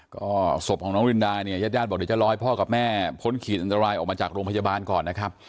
ก็ศพของน้องรินดาเนี่ยญาติญาติบอกเดี๋ยวจะรอให้พ่อกับแม่พ้นขีดอันตรายออกมาจากโรงพยาบาลก่อนนะครับ